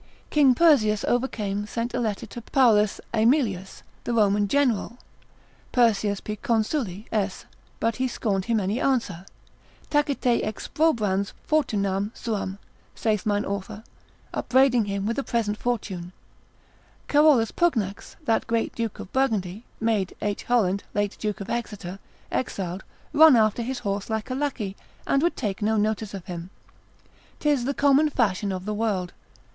King Persius overcome sent a letter to Paulus Aemilius, the Roman general; Persius P. Consuli. S. but he scorned him any answer, tacite exprobrans fortunam suam (saith mine author) upbraiding him with a present fortune. Carolus Pugnax, that great duke of Burgundy, made H. Holland, late duke of Exeter, exiled, run after his horse like a lackey, and would take no notice of him: 'tis the common fashion of the world.